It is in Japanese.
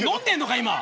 今。